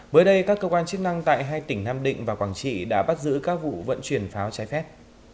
mới đây các cơ quan chức năng tại hai tỉnh nam định và quảng trị đã bắt giữ các vụ vận chuyển pháo trái phép